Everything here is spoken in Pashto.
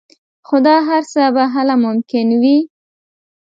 خو دا هر څه به هله ممکن وي